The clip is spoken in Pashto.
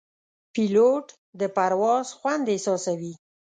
پیلوټ د پرواز خوند احساسوي.